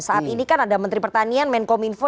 saat ini kan ada menteri pertanian menkom info